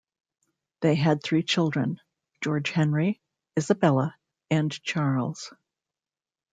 They had three children: George Henry, Isabella and Charles.